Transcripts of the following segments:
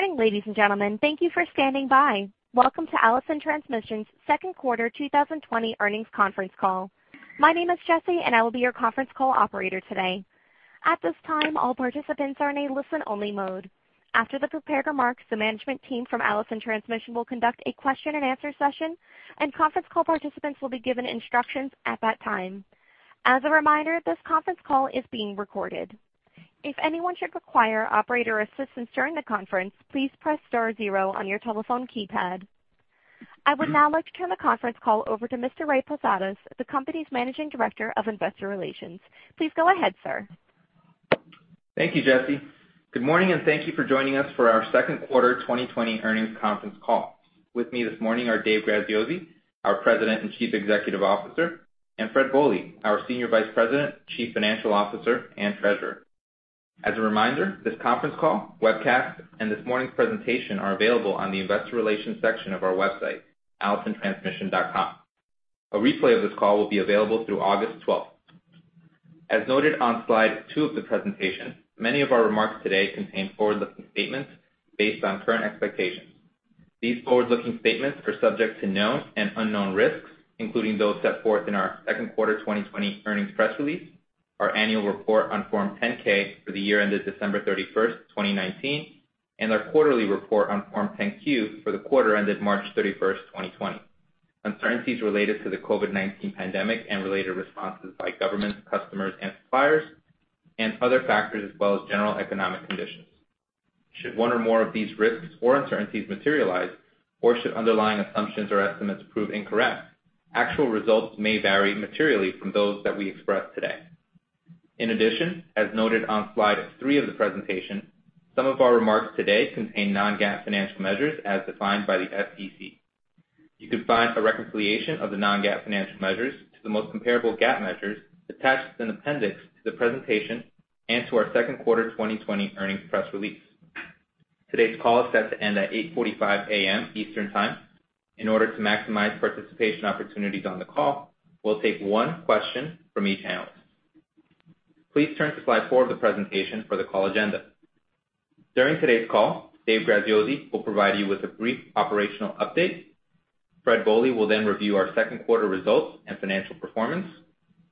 Good morning, ladies and gentlemen. Thank you for standing by. Welcome to Allison Transmission's Second Quarter 2020 Earnings Conference Call. My name is Jesse, and I will be your conference call operator today. At this time, all participants are in a listen-only mode. After the prepared remarks, the management team from Allison Transmission will conduct a question-and-answer session, and conference call participants will be given instructions at that time. As a reminder, this conference call is being recorded. If anyone should require operator assistance during the conference, please press star zero on your telephone keypad. I would now like to turn the conference call over to Mr. Ray Posadas, the company's Managing Director of Investor Relations. Please go ahead, sir. Thank you, Jesse. Good morning, and thank you for joining us for our second quarter 2020 earnings conference call. With me this morning are Dave Graziosi, our President and Chief Executive Officer, and Fred Bohley, our Senior Vice President, Chief Financial Officer, and Treasurer. As a reminder, this conference call, webcast, and this morning's presentation are available on the investor relations section of our website, allisontransmission.com. A replay of this call will be available through August 12. As noted on slide two of the presentation, many of our remarks today contain forward-looking statements based on current expectations. These forward-looking statements are subject to known and unknown risks, including those set forth in our second quarter 2020 earnings press release, our annual report on Form 10-K for the year ended December 31, 2019, and our quarterly report on Form 10-Q for the quarter ended March 31, 2020. Uncertainties related to the COVID-19 pandemic and related responses by governments, customers, and suppliers, and other factors as well as general economic conditions. Should one or more of these risks or uncertainties materialize, or should underlying assumptions or estimates prove incorrect, actual results may vary materially from those that we express today. In addition, as noted on slide three of the presentation, some of our remarks today contain non-GAAP financial measures as defined by the SEC. You can find a reconciliation of the non-GAAP financial measures to the most comparable GAAP measures attached as an appendix to the presentation and to our second quarter 2020 earnings press release. Today's call is set to end at 8:45AM Eastern Time. In order to maximize participation opportunities on the call, we'll take one question from each analyst. Please turn to slide four of the presentation for the call agenda. During today's call, Dave Graziosi will provide you with a brief operational update. Fred Bohley will then review our second quarter results and financial performance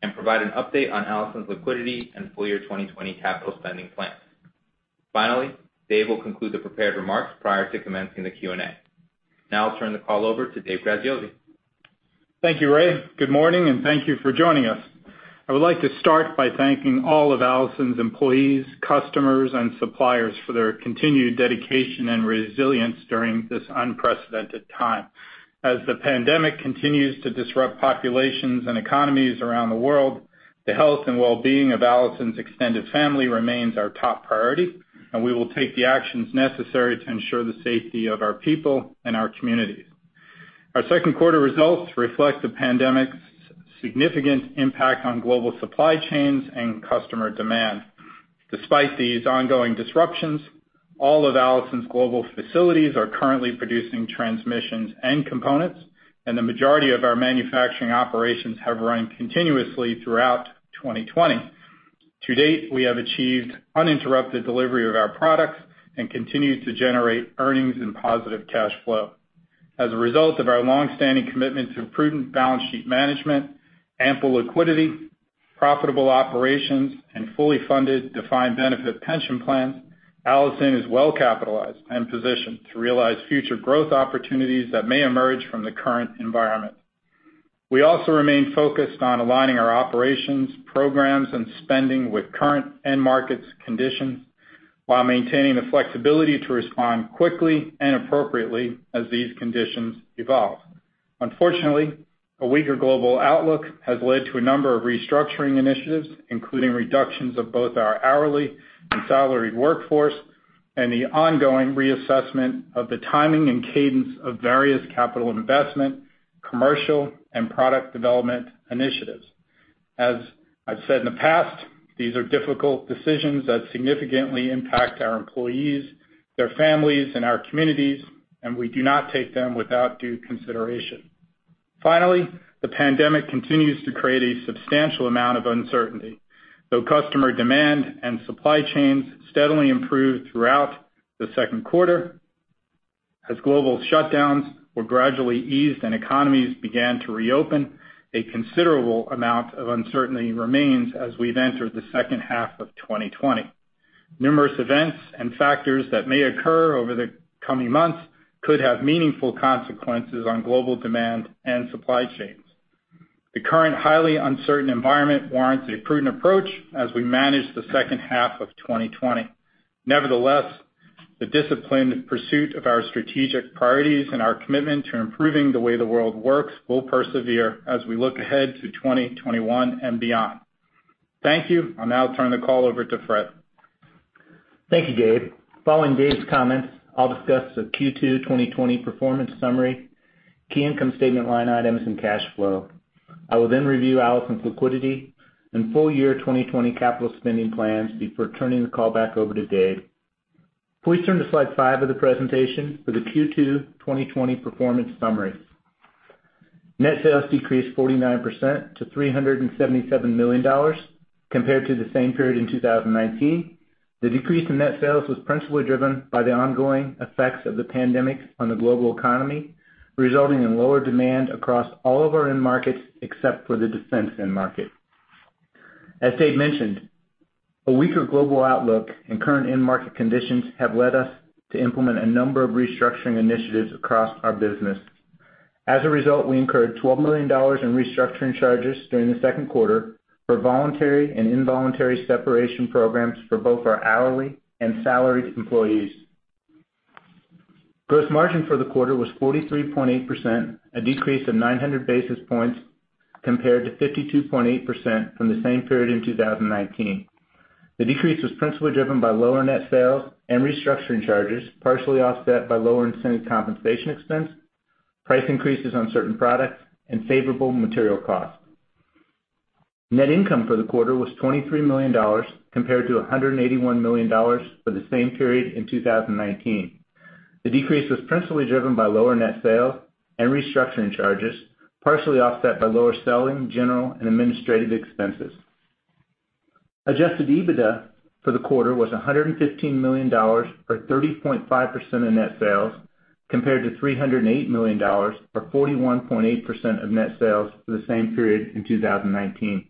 and provide an update on Allison's liquidity and full-year 2020 capital spending plans. Finally, Dave will conclude the prepared remarks prior to commencing the Q&A. Now I'll turn the call over to Dave Graziosi. Thank you, Ray. Good morning, and thank you for joining us. I would like to start by thanking all of Allison's employees, customers, and suppliers for their continued dedication and resilience during this unprecedented time. As the pandemic continues to disrupt populations and economies around the world, the health and well-being of Allison's extended family remains our top priority, and we will take the actions necessary to ensure the safety of our people and our communities. Our second quarter results reflect the pandemic's significant impact on global supply chains and customer demand. Despite these ongoing disruptions, all of Allison's global facilities are currently producing transmissions and components, and the majority of our manufacturing operations have run continuously throughout 2020. To date, we have achieved uninterrupted delivery of our products and continue to generate earnings and positive cash flow. As a result of our long-standing commitment to prudent balance sheet management, ample liquidity, profitable operations, and fully funded defined benefit pension plans, Allison is well capitalized and positioned to realize future growth opportunities that may emerge from the current environment. We also remain focused on aligning our operations, programs, and spending with current end markets conditions, while maintaining the flexibility to respond quickly and appropriately as these conditions evolve. Unfortunately, a weaker global outlook has led to a number of restructuring initiatives, including reductions of both our hourly and salaried workforce, and the ongoing reassessment of the timing and cadence of various capital investment, commercial, and product development initiatives. As I've said in the past, these are difficult decisions that significantly impact our employees, their families, and our communities, and we do not take them without due consideration. Finally, the pandemic continues to create a substantial amount of uncertainty, though customer demand and supply chains steadily improved throughout the second quarter as global shutdowns were gradually eased and economies began to reopen. A considerable amount of uncertainty remains as we've entered the second half of 2020. Numerous events and factors that may occur over the coming months could have meaningful consequences on global demand and supply chains. The current highly uncertain environment warrants a prudent approach as we manage the second half of 2020. Nevertheless, the disciplined pursuit of our strategic priorities and our commitment to improving the way the world works will persevere as we look ahead to 2021 and beyond. Thank you. I'll now turn the call over to Fred. Thank you, Dave. Following Dave's comments, I'll discuss the Q2 2020 performance summary, key income statement line items and cash flow. I will then review Allison's liquidity and full year 2020 capital spending plans before turning the call back over to Dave. Please turn to slide five of the presentation for the Q2 2020 performance summary. Net sales decreased 49% to $377 million compared to the same period in 2019. The decrease in net sales was principally driven by the ongoing effects of the pandemic on the global economy, resulting in lower demand across all of our end markets, except for the defense end market. As Dave mentioned, a weaker global outlook and current end market conditions have led us to implement a number of restructuring initiatives across our business. As a result, we incurred $12 million in restructuring charges during the second quarter for voluntary and involuntary separation programs for both our hourly and salaried employees. Gross margin for the quarter was 43.8%, a decrease of 900 basis points compared to 52.8% from the same period in 2019. The decrease was principally driven by lower net sales and restructuring charges, partially offset by lower incentive compensation expense, price increases on certain products, and favorable material costs. Net income for the quarter was $23 million, compared to $181 million for the same period in 2019. The decrease was principally driven by lower net sales and restructuring charges, partially offset by lower selling, general, and administrative expenses. Adjusted EBITDA for the quarter was $115 million, or 30.5% of net sales, compared to $308 million, or 41.8% of net sales for the same period in 2019.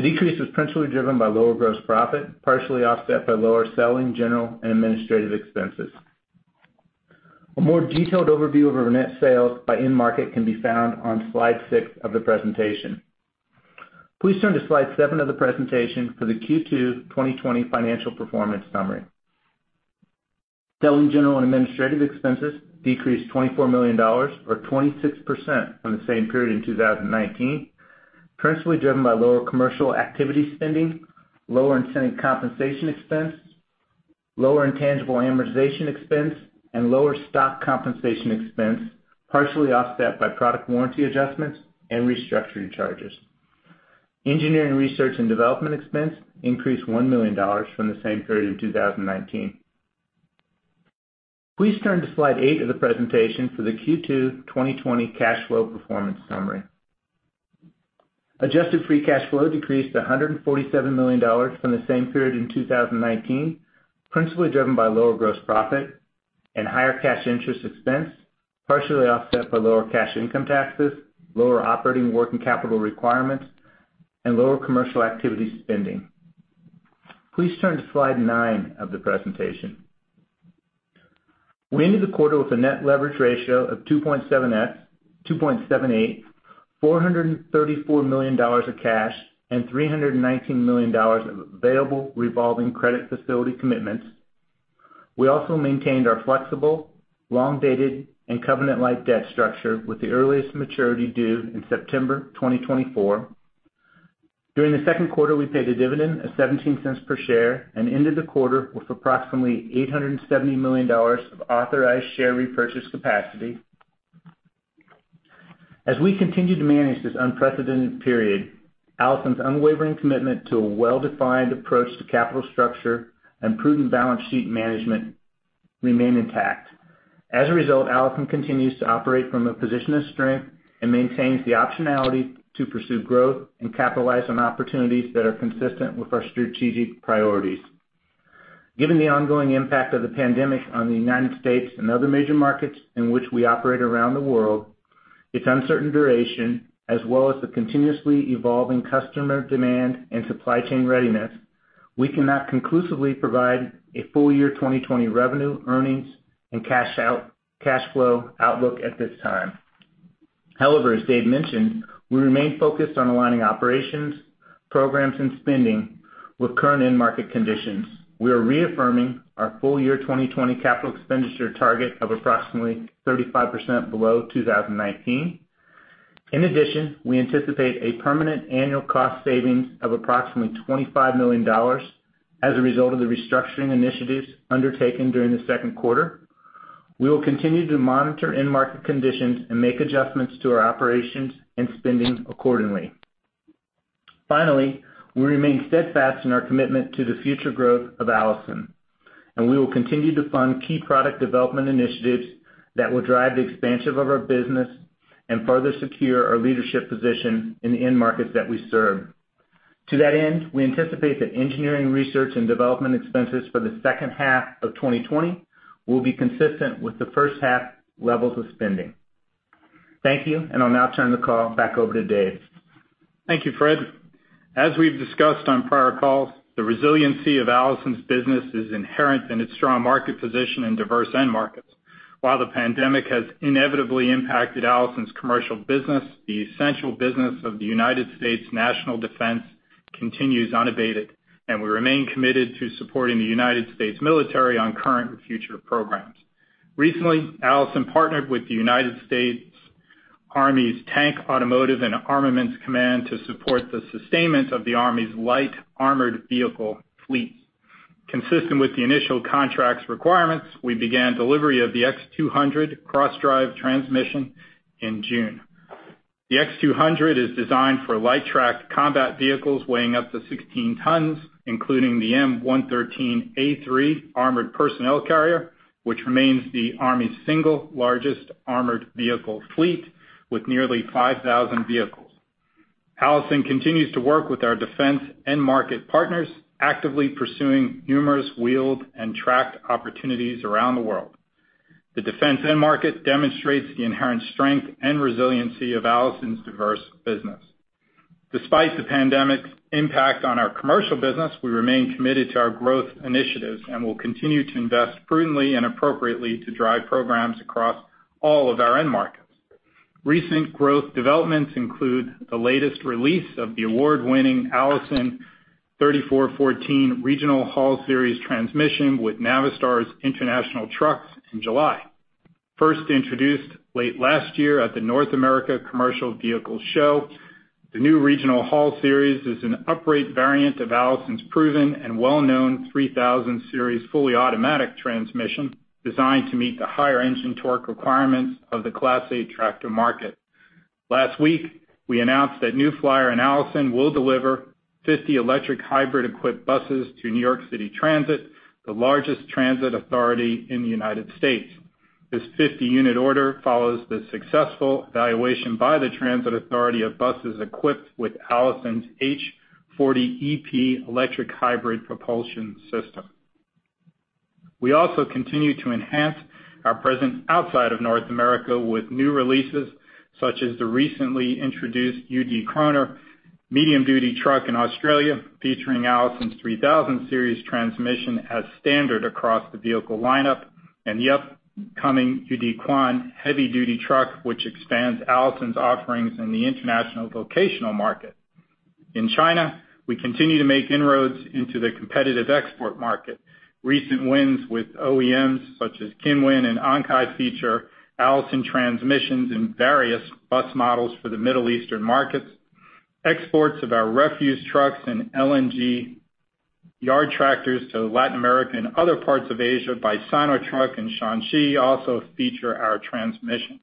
The decrease was principally driven by lower gross profit, partially offset by lower selling, general, and administrative expenses. A more detailed overview of our net sales by end market can be found on slide six of the presentation. Please turn to slide seven of the presentation for the Q2 2020 financial performance summary. Selling, general, and administrative expenses decreased $24 million or 26% from the same period in 2019, principally driven by lower commercial activity spending, lower incentive compensation expense, lower intangible amortization expense, and lower stock compensation expense, partially offset by product warranty adjustments and restructuring charges. Engineering, research, and development expense increased $1 million from the same period in 2019. Please turn to slide eight of the presentation for the Q2 2020 cash flow performance summary. Adjusted free cash flow decreased to $147 million from the same period in 2019, principally driven by lower gross profit and higher cash interest expense, partially offset by lower cash income taxes, lower operating working capital requirements, and lower commercial activity spending. Please turn to slide nine of the presentation. We ended the quarter with a net leverage ratio of 2.78x, $434 million of cash, and $319 million of available revolving credit facility commitments. We also maintained our flexible, long-dated, and covenant-lite debt structure with the earliest maturity due in September 2024. During the second quarter, we paid a dividend of $0.17 per share and ended the quarter with approximately $870 million of authorized share repurchase capacity. As we continue to manage this unprecedented period, Allison's unwavering commitment to a well-defined approach to capital structure and prudent balance sheet management remain intact. As a result, Allison continues to operate from a position of strength and maintains the optionality to pursue growth and capitalize on opportunities that are consistent with our strategic priorities. Given the ongoing impact of the pandemic on the United States and other major markets in which we operate around the world, its uncertain duration, as well as the continuously evolving customer demand and supply chain readiness, we cannot conclusively provide a full year 2020 revenue, earnings, and cash flow outlook at this time. However, as Dave mentioned, we remain focused on aligning operations, programs, and spending with current end market conditions. We are reaffirming our full year 2020 capital expenditure target of approximately 35% below 2019. In addition, we anticipate a permanent annual cost savings of approximately $25 million as a result of the restructuring initiatives undertaken during the second quarter. We will continue to monitor end market conditions and make adjustments to our operations and spending accordingly. Finally, we remain steadfast in our commitment to the future growth of Allison, and we will continue to fund key product development initiatives that will drive the expansion of our business and further secure our leadership position in the end markets that we serve. To that end, we anticipate that engineering, research, and development expenses for the second half of 2020 will be consistent with the first half levels of spending. Thank you, and I'll now turn the call back over to Dave. Thank you, Fred. As we've discussed on prior calls, the resiliency of Allison's business is inherent in its strong market position and diverse end markets. While the pandemic has inevitably impacted Allison's commercial business, the essential business of the United States National Defense continues unabated, and we remain committed to supporting the United States military on current and future programs. Recently, Allison partnered with the United States Army's Tank-automotive and Armaments Command to support the sustainment of the Army's light armored vehicle fleet. Consistent with the initial contract's requirements, we began delivery of the X200 cross-drive transmission in June... The X200 is designed for light-tracked combat vehicles weighing up to 16 tons, including the M113A3 armored personnel carrier, which remains the Army's single largest armored vehicle fleet, with nearly 5,000 vehicles. Allison continues to work with our defense end market partners, actively pursuing numerous wheeled and tracked opportunities around the world. The defense end market demonstrates the inherent strength and resiliency of Allison's diverse business. Despite the pandemic's impact on our commercial business, we remain committed to our growth initiatives and will continue to invest prudently and appropriately to drive programs across all of our end markets. Recent growth developments include the latest release of the award-winning Allison 3414 Regional Haul Series transmission with Navistar's International trucks in July. First introduced late last year at the North America Commercial Vehicle Show, the new Regional Haul Series is an uprated variant of Allison's proven and well-known 3000 Series, fully automatic transmission, designed to meet the higher engine torque requirements of the Class 8 tractor market. Last week, we announced that New Flyer and Allison will deliver 50 electric hybrid-equipped buses to New York City Transit, the largest transit authority in the United States. This 50-unit order follows the successful evaluation by the Transit Authority of buses equipped with Allison's H 40 EP electric hybrid propulsion system. We also continue to enhance our presence outside of North America with new releases, such as the recently introduced UD Croner medium-duty truck in Australia, featuring Allison's 3000 Series transmission as standard across the vehicle lineup, and the upcoming UD Quon heavy-duty truck, which expands Allison's offerings in the international vocational market. In China, we continue to make inroads into the competitive export market. Recent wins with OEMs, such as King Long and Ankai, feature Allison transmissions in various bus models for the Middle Eastern markets. Exports of our refuse trucks and LNG yard tractors to Latin America and other parts of Asia by Sinotruk and Shaanxi also feature our transmissions.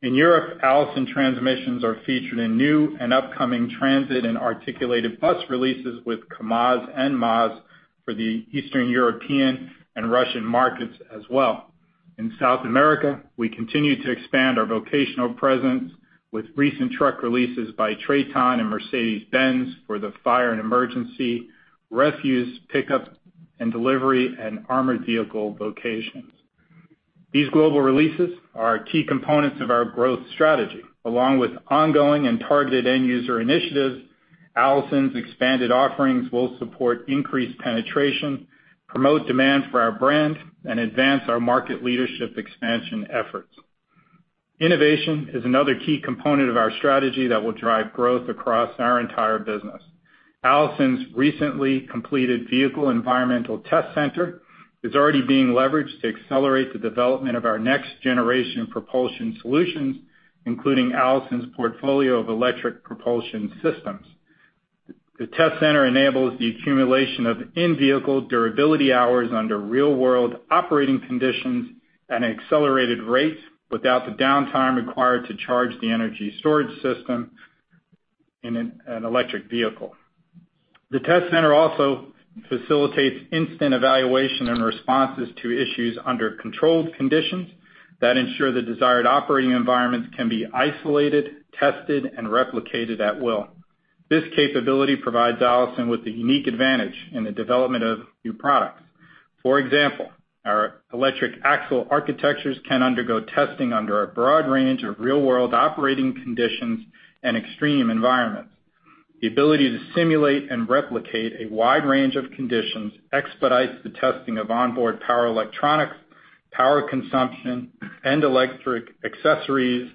In Europe, Allison transmissions are featured in new and upcoming transit and articulated bus releases with KAMAZ and MAZ for the Eastern European and Russian markets as well. In South America, we continue to expand our vocational presence with recent truck releases by Traton and Mercedes-Benz for the fire and emergency, refuse, pickup and delivery, and armored vehicle vocations. These global releases are key components of our growth strategy. Along with ongoing and targeted end user initiatives, Allison's expanded offerings will support increased penetration, promote demand for our brand, and advance our market leadership expansion efforts. Innovation is another key component of our strategy that will drive growth across our entire business. Allison's recently completed Vehicle Environmental Test Center is already being leveraged to accelerate the development of our next-generation propulsion solutions, including Allison's portfolio of electric propulsion systems. The test center enables the accumulation of in-vehicle durability hours under real-world operating conditions at an accelerated rate, without the downtime required to charge the energy storage system in an electric vehicle. The test center also facilitates instant evaluation and responses to issues under controlled conditions that ensure the desired operating environments can be isolated, tested, and replicated at will. This capability provides Allison with a unique advantage in the development of new products. For example, our electric axle architectures can undergo testing under a broad range of real-world operating conditions and extreme environments. The ability to simulate and replicate a wide range of conditions expedites the testing of onboard power electronics, power consumption, and electric accessories,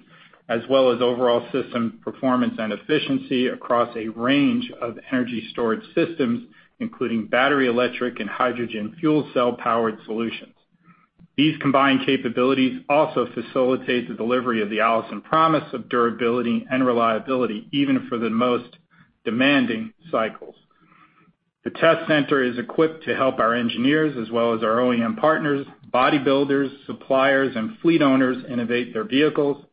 as well as overall system performance and efficiency across a range of energy storage systems, including battery, electric, and hydrogen fuel cell-powered solutions. These combined capabilities also facilitate the delivery of the Allison promise of durability and reliability, even for the most demanding cycles. The test center is equipped to help our engineers, as well as our OEM partners, bodybuilders, suppliers, and fleet owners innovate their vehicles,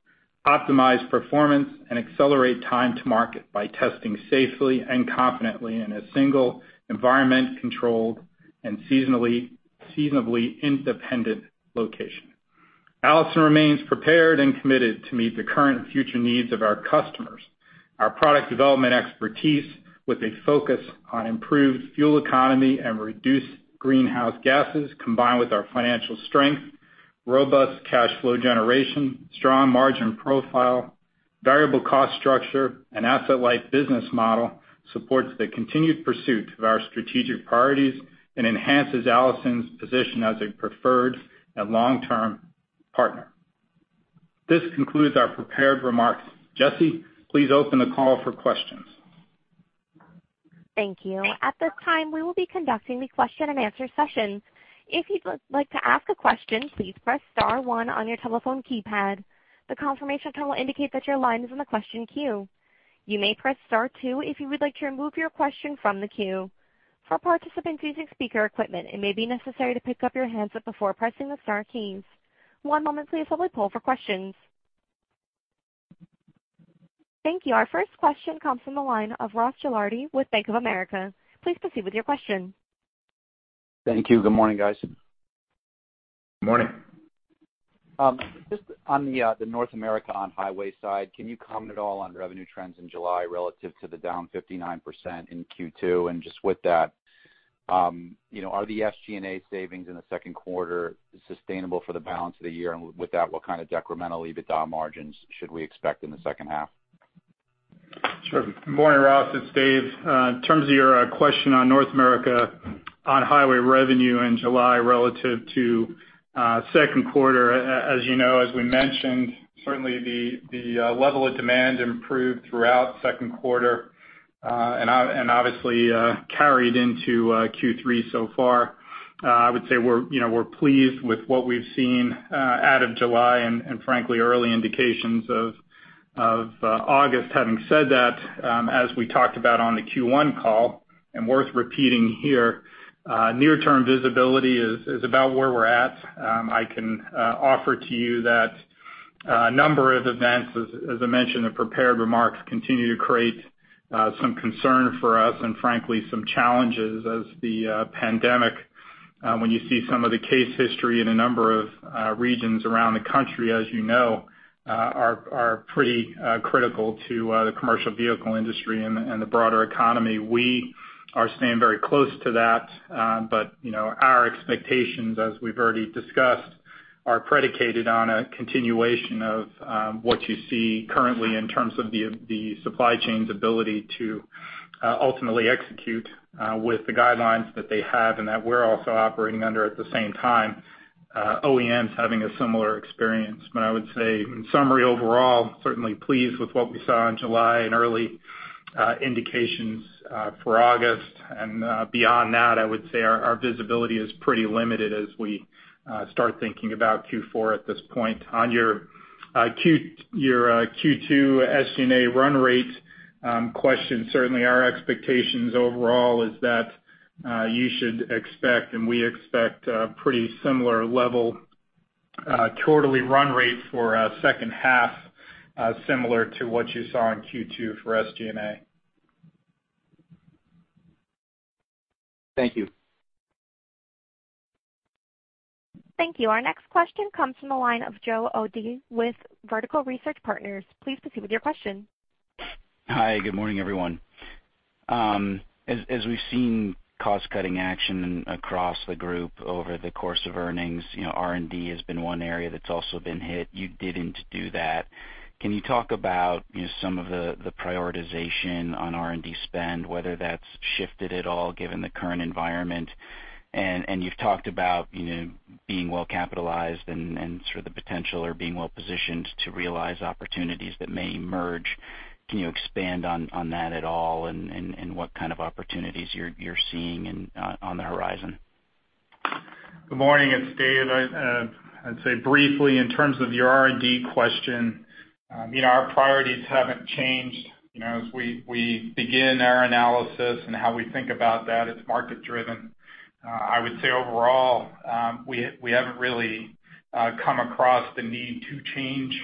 optimize performance, and accelerate time to market by testing safely and confidently in a single, environment-controlled, and seasonably independent location. Allison remains prepared and committed to meet the current and future needs of our customers. Our product development expertise, with a focus on improved fuel economy and reduced greenhouse gases, combined with our financial strength, robust cash flow generation, strong margin profile, variable cost structure, and asset-light business model, supports the continued pursuit of our strategic priorities and enhances Allison's position as a preferred and long-term partner. This concludes our prepared remarks. Jesse, please open the call for questions. Thank you. At this time, we will be conducting the question-and-answer session. If you'd like to ask a question, please press star one on your telephone keypad. The confirmation tone will indicate that your line is in the question queue. You may press star two if you would like to remove your question from the queue. For participants using speaker equipment, it may be necessary to pick up your handset before pressing the star keys. One moment please, while we poll for questions. Thank you. Our first question comes from the line of Ross Gilardi with Bank of America. Please proceed with your question. Thank you. Good morning, guys. Good morning. Just on the North America on-highway side, can you comment at all on revenue trends in July relative to the down 59% in Q2? And just with that, you know, are the SG&A savings in the second quarter sustainable for the balance of the year? And with that, what kind of decremental EBITDA margins should we expect in the second half? Sure. Good morning, Ross, it's Dave. In terms of your question on North America, on-highway revenue in July relative to second quarter, as you know, as we mentioned, certainly the level of demand improved throughout second quarter and obviously carried into Q3 so far. I would say we're, you know, we're pleased with what we've seen out of July and frankly early indications of August. Having said that, as we talked about on the Q1 call, and worth repeating here, near-term visibility is about where we're at. I can offer to you that a number of events, as I mentioned in prepared remarks, continue to create some concern for us, and frankly, some challenges as the pandemic, when you see some of the case history in a number of regions around the country, as you know, are pretty critical to the commercial vehicle industry and the broader economy. We are staying very close to that, but, you know, our expectations, as we've already discussed, are predicated on a continuation of what you see currently in terms of the supply chain's ability to ultimately execute with the guidelines that they have and that we're also operating under at the same time, OEMs having a similar experience. But I would say, in summary, overall, certainly pleased with what we saw in July and early indications for August. And beyond that, I would say our visibility is pretty limited as we start thinking about Q4 at this point. On your Q2 SG&A run rate question, certainly our expectations overall is that you should expect, and we expect, a pretty similar level quarterly run rate for second half, similar to what you saw in Q2 for SG&A. Thank you. Thank you. Our next question comes from the line of Joe O'Dea with Vertical Research Partners. Please proceed with your question. Hi, good morning, everyone. As we've seen cost-cutting action across the group over the course of earnings, you know, R&D has been one area that's also been hit. You didn't do that. Can you talk about, you know, some of the prioritization on R&D spend, whether that's shifted at all given the current environment? And you've talked about, you know, being well capitalized and sort of the potential or being well positioned to realize opportunities that may emerge. Can you expand on that at all and what kind of opportunities you're seeing on the horizon? Good morning, it's Dave. I'd say briefly, in terms of your R&D question, you know, our priorities haven't changed. You know, as we begin our analysis and how we think about that, it's market driven. I would say overall, we haven't really come across the need to change.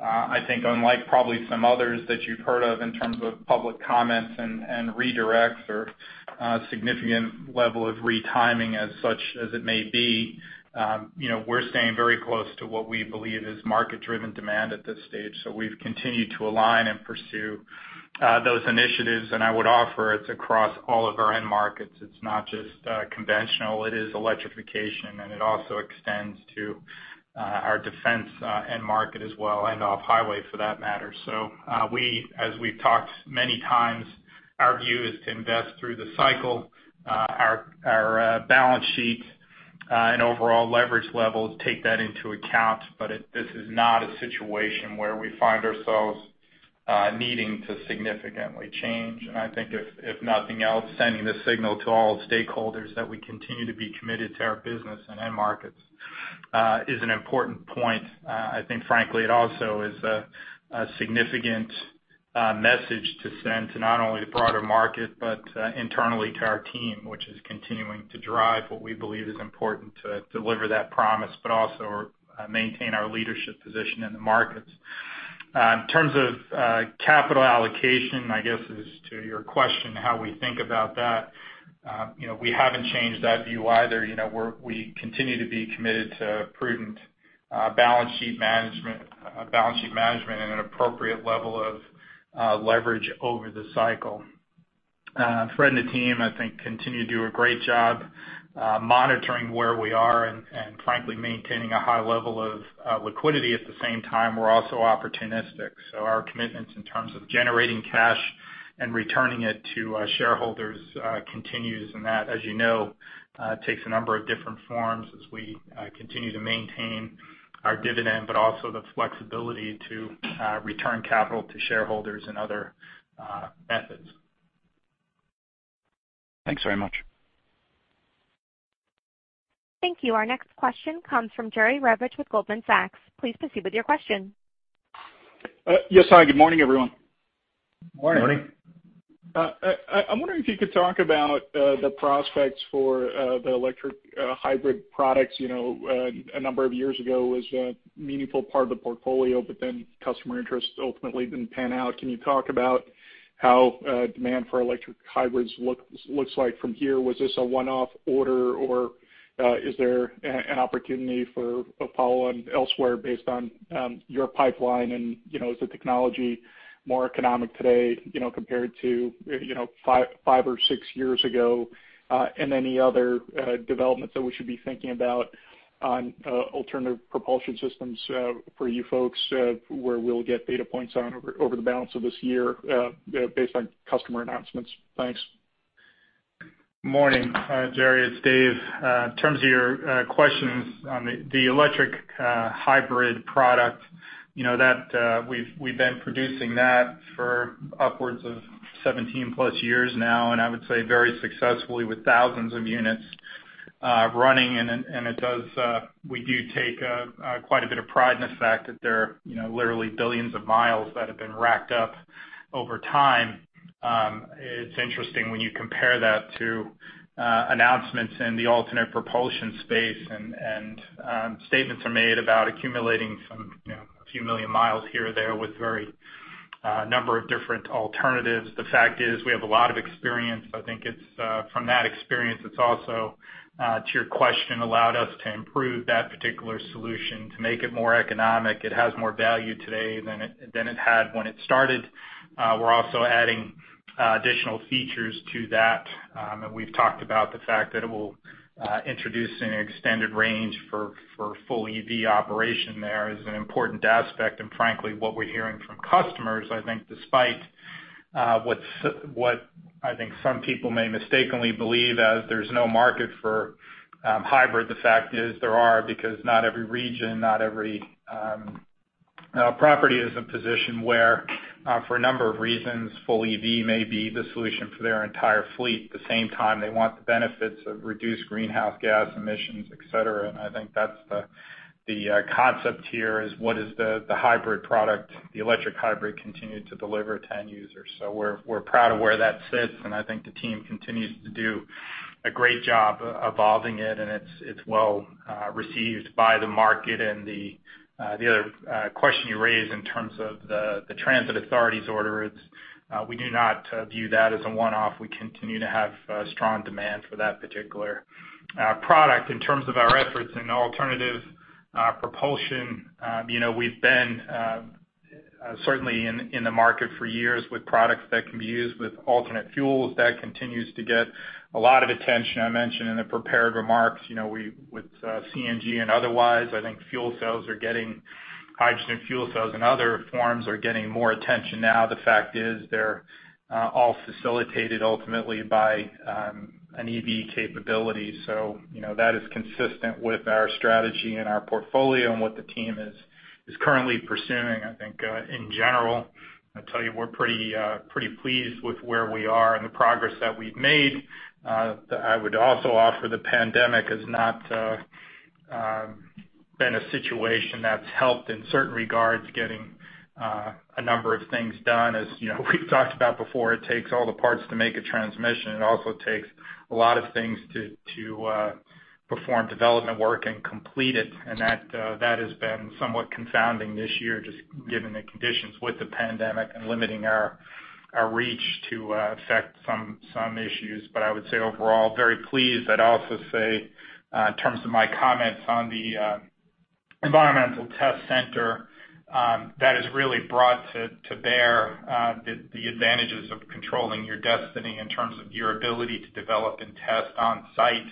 I think unlike probably some others that you've heard of in terms of public comments and redirects or significant level of retiming as such as it may be, you know, we're staying very close to what we believe is market-driven demand at this stage. So we've continued to align and pursue those initiatives, and I would offer it's across all of our end markets. It's not just conventional, it is electrification, and it also extends to our defense end market as well, and off-highway, for that matter. So, we, as we've talked many times, our view is to invest through the cycle. Our balance sheet and overall leverage levels take that into account, but it -- this is not a situation where we find ourselves needing to significantly change. And I think if nothing else, sending the signal to all stakeholders that we continue to be committed to our business and end markets is an important point. I think frankly, it also is a significant message to send to not only the broader market, but internally to our team, which is continuing to drive what we believe is important to deliver that promise, but also maintain our leadership position in the markets. In terms of capital allocation, I guess, as to your question, how we think about that, you know, we haven't changed that view either. You know, we're we continue to be committed to prudent balance sheet management, balance sheet management and an appropriate level of leverage over the cycle. Fred and the team, I think, continue to do a great job monitoring where we are and frankly maintaining a high level of liquidity. At the same time, we're also opportunistic, so our commitments in terms of generating cash and returning it to our shareholders, continues, and that, as you know, takes a number of different forms as we continue to maintain our dividend, but also the flexibility to return capital to shareholders in other methods. Thanks very much. Thank you. Our next question comes from Jerry Revich with Goldman Sachs. Please proceed with your question. Yes, hi, good morning, everyone. Good morning. I'm wondering if you could talk about the prospects for the electric hybrid products, you know, a number of years ago was a meaningful part of the portfolio, but then customer interest ultimately didn't pan out. Can you talk about how demand for electric hybrids looks like from here? Was this a one-off order, or is there an opportunity for a follow-on elsewhere based on your pipeline? And, you know, is the technology more economic today, you know, compared to, you know, five or six years ago? And any other developments that we should be thinking about on alternative propulsion systems for you folks, where we'll get data points on over the balance of this year based on customer announcements? Thanks. Morning, Jerry, it's Dave. In terms of your questions on the electric hybrid product, you know, that we've been producing that for upwards of 17+ years now, and I would say very successfully with thousands of units running. And it does, we do take quite a bit of pride in the fact that there are, you know, literally billions of miles that have been racked up over time. It's interesting when you compare that to announcements in the alternate propulsion space, and statements are made about accumulating some, you know, a few million miles here or there with very number of different alternatives. The fact is, we have a lot of experience. I think it's from that experience, it's also to your question, allowed us to improve that particular solution to make it more economic. It has more value today than it had when it started. We're also adding additional features to that. And we've talked about the fact that it will introduce an extended range for full EV operation. There is an important aspect. And frankly, what we're hearing from customers, I think despite what I think some people may mistakenly believe as there's no market for hybrid, the fact is there are, because not every region, not every property is in a position where, for a number of reasons, full EV may be the solution for their entire fleet. At the same time, they want the benefits of reduced greenhouse gas emissions, et cetera, and I think that's the concept here is what is the hybrid product, the electric hybrid continue to deliver to end users. So we're proud of where that sits, and I think the team continues to do a great job evolving it, and it's well received by the market. And the other question you raised in terms of the transit authorities order, it's we do not view that as a one-off. We continue to have strong demand for that particular product. In terms of our efforts in alternative propulsion, you know, we've been certainly in the market for years with products that can be used with alternate fuels. That continues to get a lot of attention. I mentioned in the prepared remarks, you know, we with CNG and otherwise, I think fuel cells are getting hydrogen fuel cells and other forms are getting more attention now. The fact is they're all facilitated ultimately by an EV capability. So, you know, that is consistent with our strategy and our portfolio and what the team is currently pursuing. I think in general, I'll tell you, we're pretty pretty pleased with where we are and the progress that we've made. I would also offer the pandemic has not been a situation that's helped in certain regards, getting a number of things done. As you know, we've talked about before, it takes all the parts to make a transmission. It also takes a lot of things to perform development work and complete it, and that has been somewhat confounding this year, just given the conditions with the pandemic and limiting our reach to affect some issues. But I would say overall, very pleased. I'd also say, in terms of my comments on the environmental test center, that has really brought to bear the advantages of controlling your destiny in terms of your ability to develop and test on site.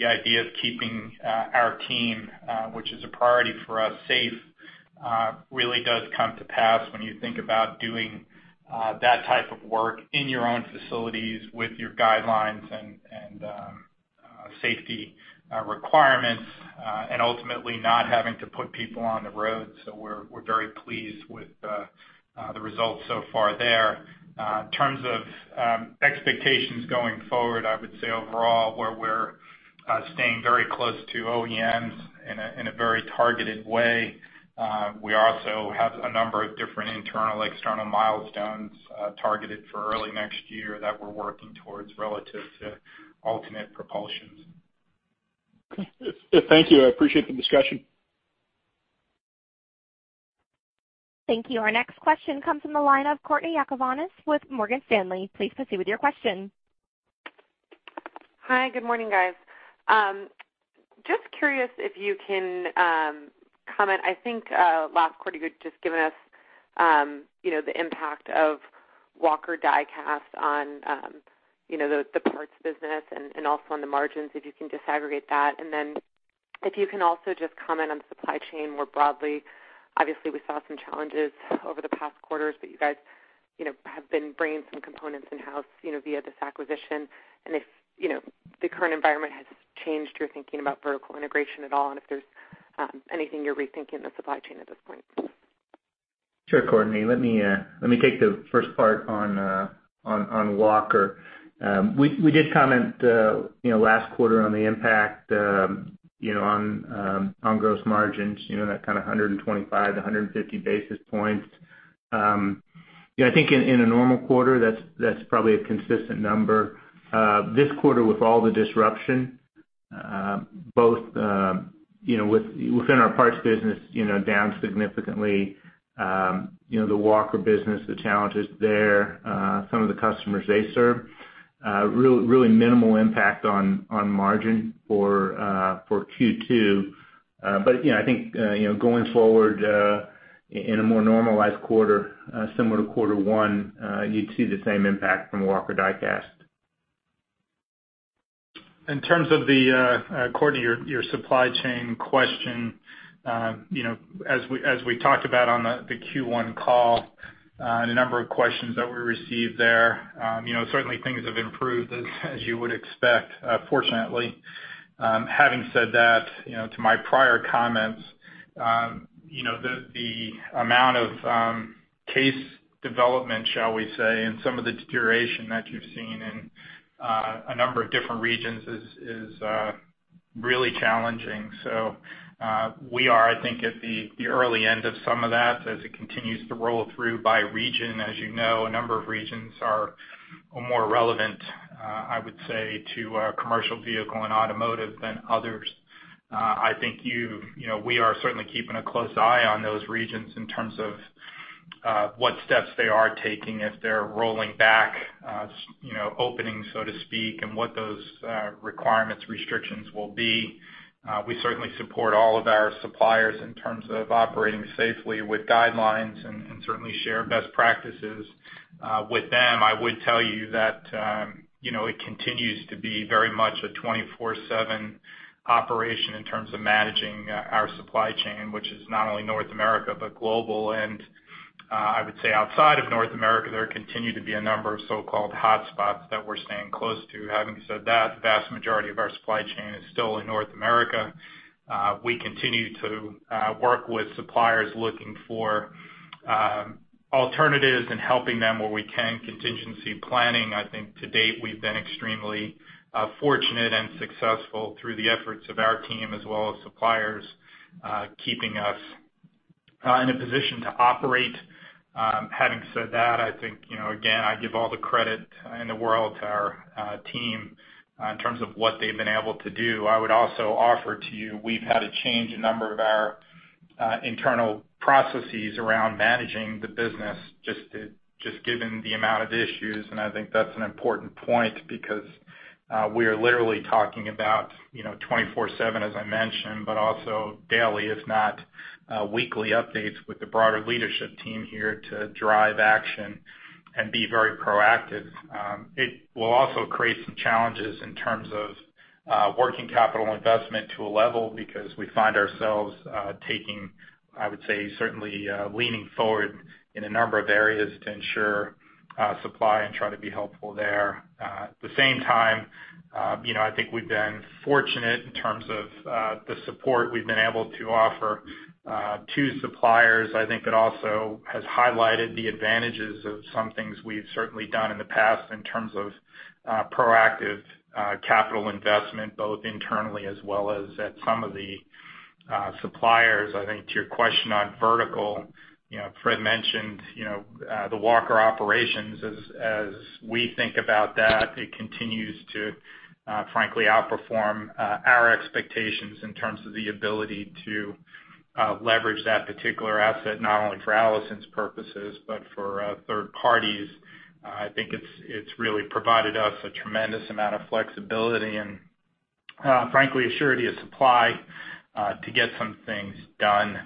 The idea of keeping our team, which is a priority for us, safe, really does come to pass when you think about doing that type of work in your own facilities with your guidelines and safety requirements, and ultimately not having to put people on the road. So we're very pleased with the results so far there. In terms of expectations going forward, I would say overall, where we're staying very close to OEMs in a very targeted way. We also have a number of different internal, external milestones targeted for early next year that we're working towards relative to alternate propulsions. Okay. Thank you. I appreciate the discussion. Thank you. Our next question comes from the line of Courtney Yakavonis with Morgan Stanley. Please proceed with your question. Hi, good morning, guys. Just curious if you can comment. I think last quarter, you had just given us, you know, the impact of Walker Die Casting on, you know, the parts business and also on the margins, if you can disaggregate that. And then if you can also just comment on supply chain more broadly. Obviously, we saw some challenges over the past quarters, but you guys, you know, have been bringing some components in-house, you know, via this acquisition. And if, you know, the current environment has changed your thinking about vertical integration at all, and if there's anything you're rethinking in the supply chain at this point? Sure, Courtney, let me take the first part on Walker. We did comment, you know, last quarter on the impact, you know, on gross margins, you know, that kind of 125-150 basis points. Yeah, I think in a normal quarter, that's probably a consistent number. This quarter, with all the disruption, both within our parts business, you know, down significantly, you know, the Walker business, the challenges there, some of the customers they serve, really minimal impact on margin for Q2. But, you know, I think, you know, going forward, in a more normalized quarter, similar to quarter one, you'd see the same impact from Walker Die Casting. In terms of, Courtney, your supply chain question, you know, as we talked about on the Q1 call, and a number of questions that we received there, you know, certainly things have improved, as you would expect, fortunately. Having said that, you know, to my prior comments, you know, the amount of case development, shall we say, and some of the deterioration that you've seen in a number of different regions is really challenging. So, we are, I think, at the early end of some of that as it continues to roll through by region. As you know, a number of regions are more relevant, I would say, to commercial vehicle and automotive than others. I think you've, you know, we are certainly keeping a close eye on those regions in terms of what steps they are taking, if they're rolling back, you know, opening, so to speak, and what those requirements, restrictions will be. We certainly support all of our suppliers in terms of operating safely with guidelines and certainly share best practices with them. I would tell you that, you know, it continues to be very much a 24/7 operation in terms of managing our supply chain, which is not only North America, but global. I would say outside of North America, there continue to be a number of so-called hotspots that we're staying close to. Having said that, the vast majority of our supply chain is still in North America. We continue to work with suppliers looking for alternatives and helping them where we can, contingency planning. I think to date, we've been extremely fortunate and successful through the efforts of our team as well as suppliers keeping us in a position to operate. Having said that, I think, you know, again, I give all the credit in the world to our team in terms of what they've been able to do. I would also offer to you, we've had to change a number of our internal processes around managing the business, just given the amount of issues. I think that's an important point because we are literally talking about, you know, 24/7, as I mentioned, but also daily, if not weekly updates with the broader leadership team here to drive action and be very proactive. It will also create some challenges in terms of working capital investment to a level, because we find ourselves taking, I would say, certainly leaning forward in a number of areas to ensure supply and try to be helpful there. At the same time, you know, I think we've been fortunate in terms of the support we've been able to offer to suppliers. I think it also has highlighted the advantages of some things we've certainly done in the past in terms of proactive capital investment, both internally as well as at some of the suppliers. I think to your question on vertical, you know, Fred mentioned, you know, the Walker operations. As we think about that, it continues to, frankly, outperform our expectations in terms of the ability to leverage that particular asset, not only for Allison's purposes, but for third parties. I think it's really provided us a tremendous amount of flexibility and, frankly, assurance of supply to get some things done.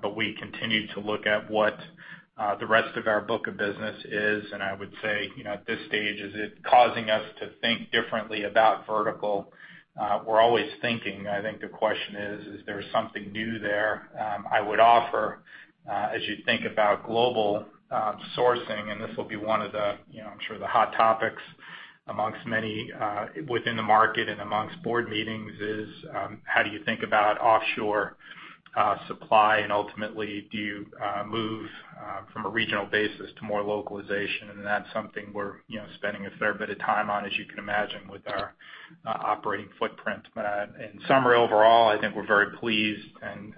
But we continue to look at what the rest of our book of business is. And I would say, you know, at this stage, is it causing us to think differently about vertical? We're always thinking. I think the question is, is there something new there? I would offer, as you think about global sourcing, and this will be one of the, you know, I'm sure, the hot topics amongst many within the market and amongst board meetings, is how do you think about offshore supply? And ultimately, do you move from a regional basis to more localization? And that's something we're, you know, spending a fair bit of time on, as you can imagine, with our operating footprint. In summary, overall, I think we're very pleased and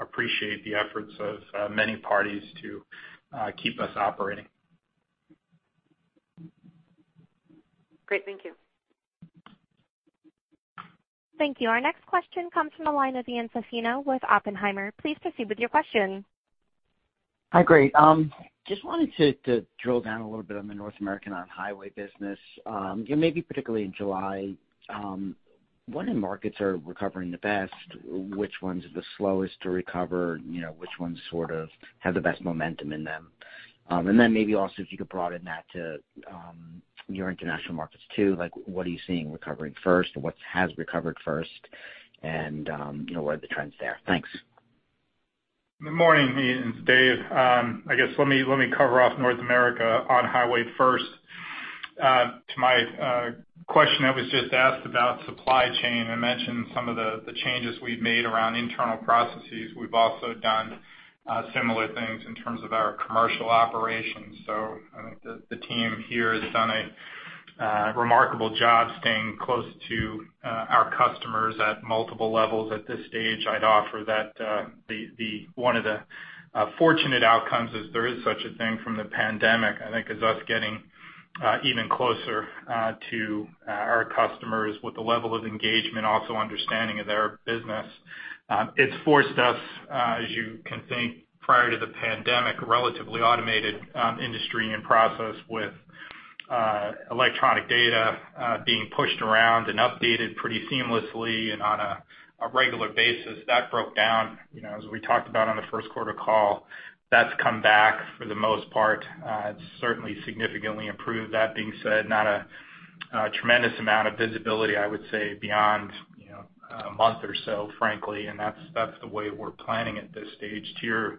appreciate the efforts of many parties to keep us operating. Great. Thank you. Thank you. Our next question comes from the line of Ian Zaffino with Oppenheimer. Please proceed with your question. Hi, great. Just wanted to drill down a little bit on the North American on-highway business, and maybe particularly in July. What markets are recovering the best? Which ones are the slowest to recover? You know, which ones sort of have the best momentum in them? And then maybe also if you could broaden that to your international markets, too. Like, what are you seeing recovering first, or what has recovered first? And you know, what are the trends there? Thanks. Good morning, Ian. It's Dave. I guess, let me cover off North America on-highway first. To my question that was just asked about supply chain, I mentioned some of the changes we've made around internal processes. We've also done similar things in terms of our commercial operations. So I think the team here has done a remarkable job staying close to our customers at multiple levels. At this stage, I'd offer that one of the fortunate outcomes from the pandemic, I think, is us getting even closer to our customers with the level of engagement, also understanding of their business. It's forced us, as you can think, prior to the pandemic, relatively automated industry and process with electronic data being pushed around and updated pretty seamlessly and on a regular basis. That broke down, you know, as we talked about on the first quarter call. That's come back for the most part, it's certainly significantly improved. That being said, not a tremendous amount of visibility, I would say, beyond, you know, a month or so, frankly, and that's the way we're planning at this stage. To your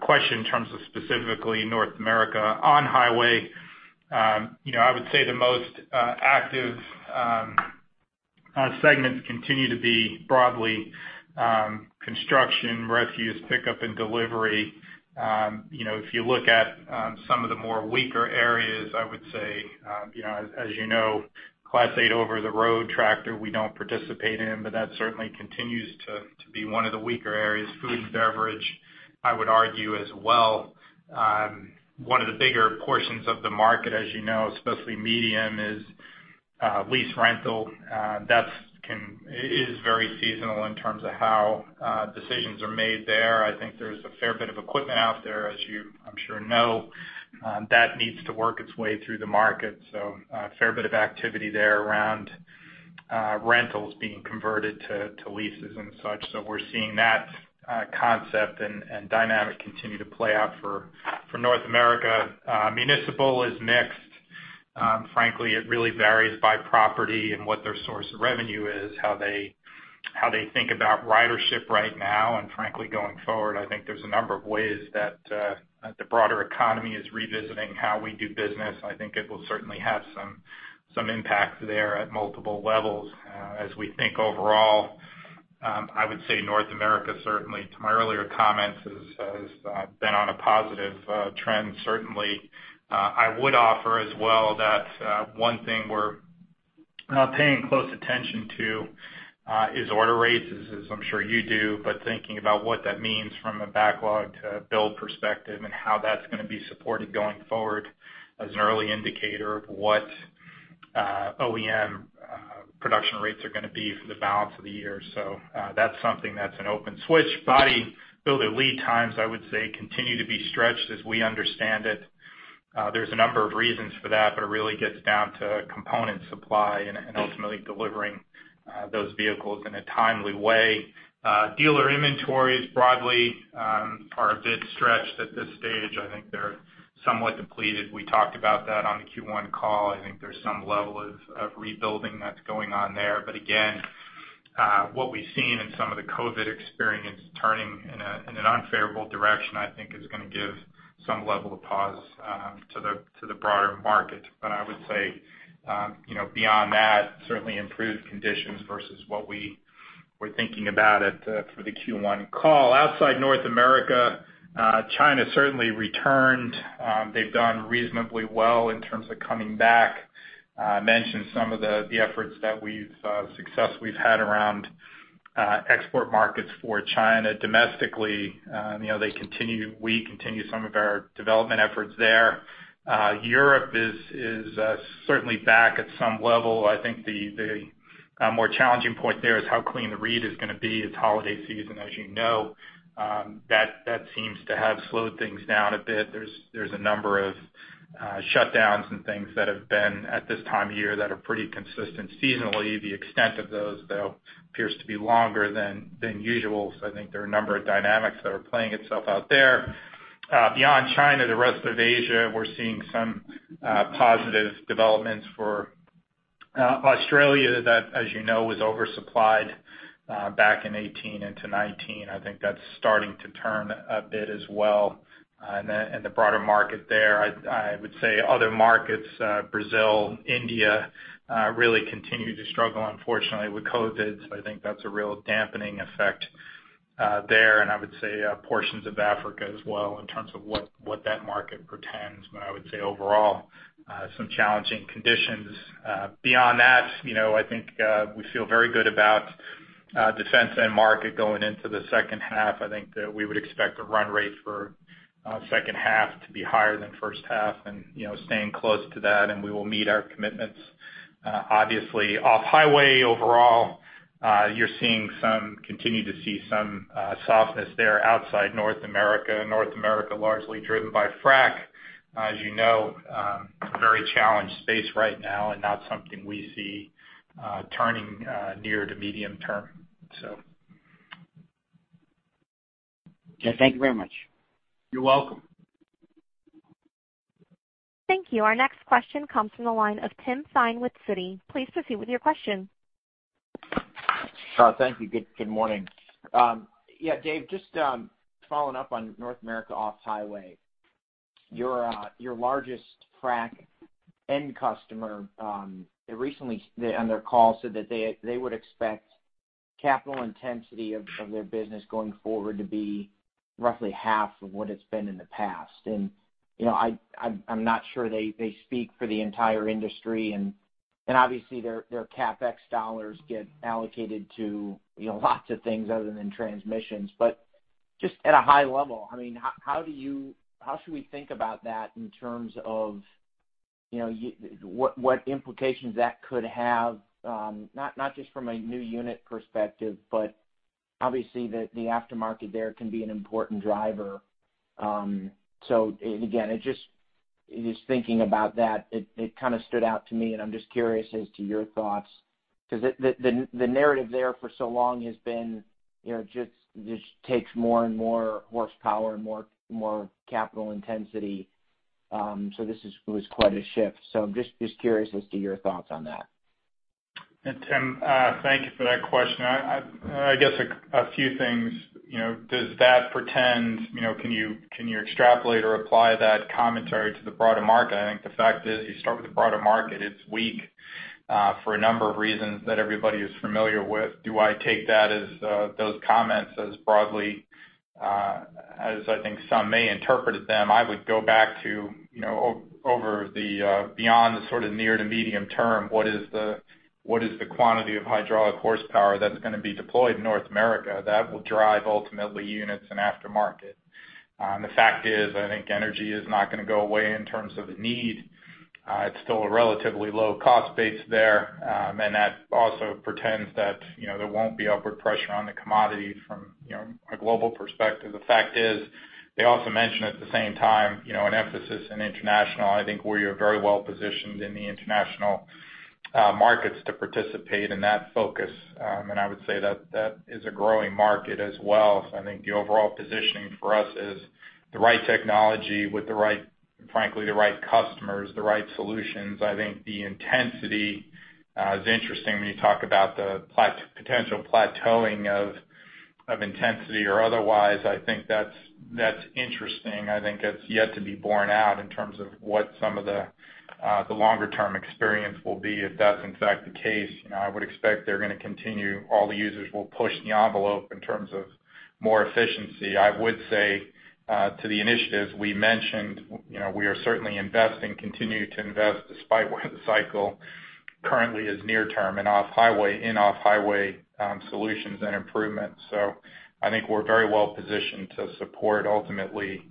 question in terms of specifically North America, on highway, you know, I would say the most active segments continue to be broadly, construction, refuse, pickup and delivery. You know, if you look at some of the more weaker areas, I would say, you know, as you know, Class 8 over-the-road tractor, we don't participate in, but that certainly continues to be one of the weaker areas. Food and beverage, I would argue as well. One of the bigger portions of the market, as you know, especially medium, is lease rental. That is very seasonal in terms of how decisions are made there. I think there's a fair bit of equipment out there, as you, I'm sure know, that needs to work its way through the market. So a fair bit of activity there around rentals being converted to leases and such. So we're seeing that concept and dynamic continue to play out for North America. Municipal is mixed. Frankly, it really varies by property and what their source of revenue is, how they think about ridership right now, and frankly, going forward, I think there's a number of ways that the broader economy is revisiting how we do business. I think it will certainly have some impact there at multiple levels. As we think overall, I would say North America, certainly to my earlier comments, has been on a positive trend, certainly. I would offer as well that one thing we're paying close attention to is order rates, as I'm sure you do, but thinking about what that means from a backlog to build perspective, and how that's gonna be supported going forward as an early indicator of what OEM production rates are gonna be for the balance of the year. So that's something that's an open switch. Bodybuilder lead times, I would say, continue to be stretched as we understand it. There's a number of reasons for that, but it really gets down to component supply and ultimately delivering those vehicles in a timely way. Dealer inventories broadly are a bit stretched at this stage. I think they're somewhat depleted. We talked about that on the Q1 call. I think there's some level of rebuilding that's going on there. But again, what we've seen in some of the COVID experience, turning in an unfavorable direction, I think is gonna give some level of pause to the broader market. But I would say, you know, beyond that, certainly improved conditions versus what we were thinking about at the—for the Q1 call. Outside North America, China certainly returned. They've done reasonably well in terms of coming back. I mentioned some of the success we've had around export markets for China. Domestically, you know, we continue some of our development efforts there. Europe is certainly back at some level. I think the more challenging point there is how clean the read is gonna be. It's holiday season, as you know. That seems to have slowed things down a bit. There's a number of shutdowns and things that have been at this time of year that are pretty consistent seasonally. The extent of those, though, appears to be longer than usual, so I think there are a number of dynamics that are playing itself out there. Beyond China, the rest of Asia, we're seeing some positive developments for Australia, that, as you know, was oversupplied back in 2018 into 2019. I think that's starting to turn a bit as well. And the broader market there, I would say other markets, Brazil, India, really continue to struggle, unfortunately, with COVID. So I think that's a real dampening effect there, and I would say portions of Africa as well in terms of what that market portends. But I would say overall some challenging conditions. Beyond that, you know, I think we feel very good about defense end market going into the second half. I think that we would expect a run rate for second half to be higher than first half and, you know, staying close to that, and we will meet our commitments. Obviously, off-highway overall, you're seeing some continue to see some softness there outside North America. North America, largely driven by frac. As you know, very challenged space right now and not something we see turning near to medium term, so. Yeah, thank you very much. You're welcome. Thank you. Our next question comes from the line of Tim Thein with Citi. Please proceed with your question. Thank you. Good morning. Yeah, Dave, just following up on North America off-highway. Your largest frac end customer, they recently, they on their call said that they would expect capital intensity of their business going forward to be roughly half of what it's been in the past. And, you know, I, I'm not sure they speak for the entire industry, and obviously, their CapEx dollars get allocated to, you know, lots of things other than transmissions. But just at a high level, I mean, how do you -- how should we think about that in terms of, you know, what implications that could have, not just from a new unit perspective, but obviously, the aftermarket there can be an important driver. So and again, just thinking about that, it kind of stood out to me, and I'm just curious as to your thoughts. 'Cause the narrative there for so long has been, you know, just takes more and more horsepower and more capital intensity. So this was quite a shift. So just curious as to your thoughts on that. And Tim, thank you for that question. I guess a few things, you know, does that pertain, you know, can you extrapolate or apply that commentary to the broader market? I think the fact is, you start with the broader market. It's weak for a number of reasons that everybody is familiar with. Do I take that as those comments as broadly as I think some may interpret them? I would go back to, you know, beyond the sort of near to medium term, what is the quantity of hydraulic horsepower that's gonna be deployed in North America that will drive ultimately units and aftermarket? The fact is, I think energy is not gonna go away in terms of the need. It's still a relatively low cost base there, and that also pretends that, you know, there won't be upward pressure on the commodity from, you know, a global perspective. The fact is, they also mention at the same time, you know, an emphasis in international. I think we are very well positioned in the international markets to participate in that focus. And I would say that that is a growing market as well. So I think the overall positioning for us is the right technology with the right—frankly, the right customers, the right solutions. I think the intensity is interesting when you talk about the potential plateauing of intensity or otherwise. I think that's interesting. I think that's yet to be borne out in terms of what some of the, the longer term experience will be, if that's in fact the case. You know, I would expect they're gonna continue, all the users will push the envelope in terms of more efficiency. I would say, to the initiatives we mentioned, you know, we are certainly investing, continue to invest, despite where the cycle currently is near term and off-highway, in off-highway, solutions and improvements. So I think we're very well positioned to support ultimately,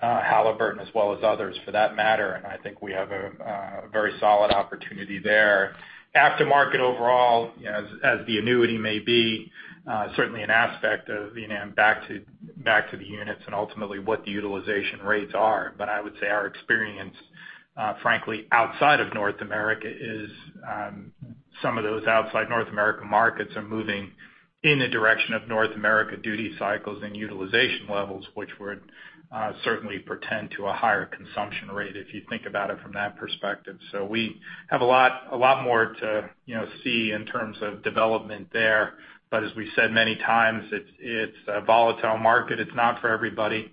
Halliburton as well as others, for that matter. And I think we have a, a very solid opportunity there. Aftermarket overall, you know, as, as the annuity may be, certainly an aspect of, you know, back to, back to the units and ultimately what the utilization rates are. But I would say our experience, frankly, outside of North America is some of those outside North America markets are moving in the direction of North America duty cycles and utilization levels, which would certainly portend to a higher consumption rate, if you think about it from that perspective. So we have a lot, a lot more to, you know, see in terms of development there. But as we said many times, it's a volatile market. It's not for everybody.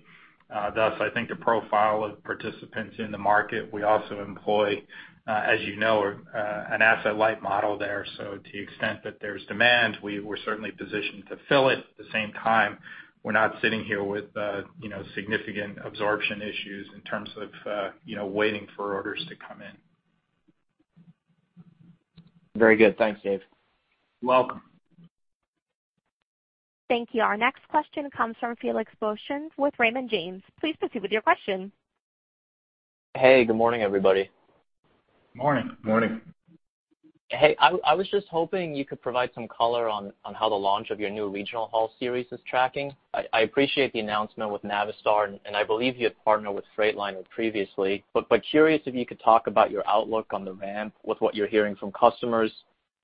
Thus, I think the profile of participants in the market, we also employ, as you know, an asset-light model there. So to the extent that there's demand, we're certainly positioned to fill it. At the same time, we're not sitting here with, you know, significant absorption issues in terms of, you know, waiting for orders to come in. Very good. Thanks, Dave. Welcome. Thank you. Our next question comes from Felix Boeschen with Raymond James. Please proceed with your question. Hey, good morning, everybody. Morning. Morning. Hey, I was just hoping you could provide some color on how the launch of your new Regional Haul Series is tracking. I appreciate the announcement with Navistar, and I believe you had partnered with Freightliner previously. But curious if you could talk about your outlook on the ramp with what you're hearing from customers,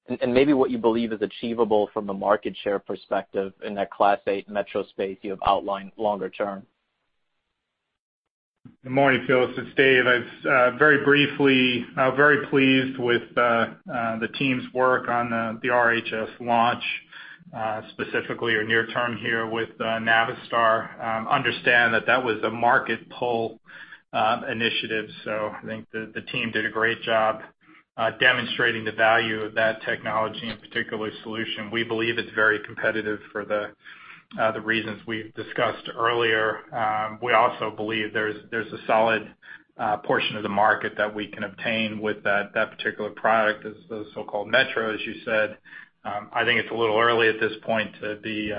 and maybe what you believe is achievable from a market share perspective in that Class 8 metro space you have outlined longer term. Good morning, Felix. It's Dave. I've very briefly, I'm very pleased with the team's work on the RHS launch, specifically or near term here with Navistar. I understand that that was a market pull initiative, so I think the team did a great job demonstrating the value of that technology and particular solution. We believe it's very competitive for the reasons we've discussed earlier. We also believe there's a solid portion of the market that we can obtain with that particular product, as the so-called metro, as you said. I think it's a little early at this point to be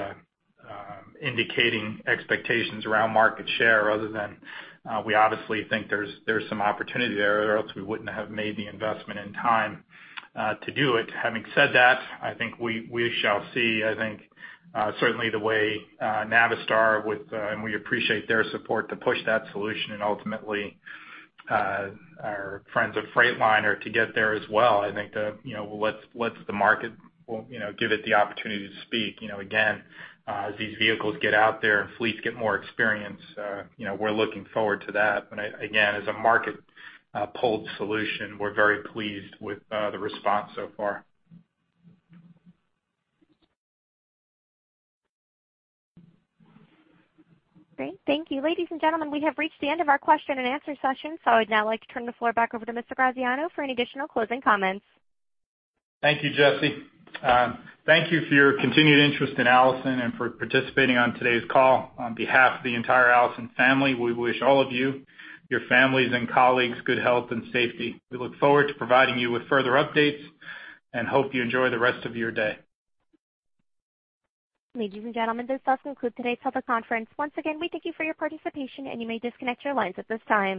indicating expectations around market share other than we obviously think there's some opportunity there, or else we wouldn't have made the investment and time to do it. Having said that, I think we shall see, I think, certainly the way Navistar with and we appreciate their support to push that solution and ultimately our friends at Freightliner to get there as well. I think, you know, let's let the market, well, you know, give it the opportunity to speak. You know, again, as these vehicles get out there and fleets get more experience, you know, we're looking forward to that. But again, as a market-pulled solution, we're very pleased with the response so far. Great, thank you. Ladies and gentlemen, we have reached the end of our question and answer session, so I'd now like to turn the floor back over to Mr. Graziosi for any additional closing comments. Thank you, Jesse. Thank you for your continued interest in Allison and for participating on today's call. On behalf of the entire Allison family, we wish all of you, your families and colleagues, good health and safety. We look forward to providing you with further updates and hope you enjoy the rest of your day. Ladies and gentlemen, this does conclude today's teleconference. Once again, we thank you for your participation, and you may disconnect your lines at this time.